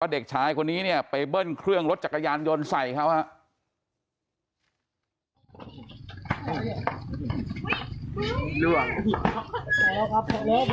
เด็กชายคนนี้เนี่ยไปเบิ้ลเครื่องรถจักรยานยนต์ใส่เขาครับ